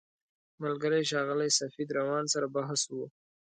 ملګري ښاغلي سفید روان سره بحث و.